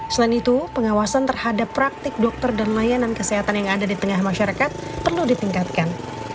selain itu pengawasan terhadap praktik dokter dan layanan kesehatan yang ada di tengah masyarakat perlu ditingkatkan